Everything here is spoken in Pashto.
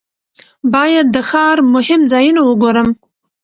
باید د ښار مهم ځایونه وګورم.